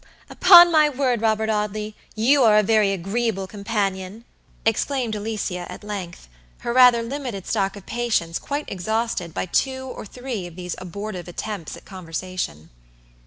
"Upon my word, Robert Audley, you are a very agreeable companion," exclaimed Alicia at length, her rather limited stock of patience quite exhausted by two or three of these abortive attempts at conversation.